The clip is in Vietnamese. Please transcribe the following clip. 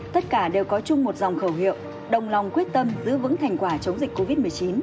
tất cả đều có chung một dòng khẩu hiệu đồng lòng quyết tâm giữ vững thành quả chống dịch covid một mươi chín